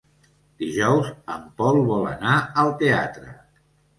Dijous en Pol vol anar al teatre.